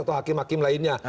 atau hakim hakim lainnya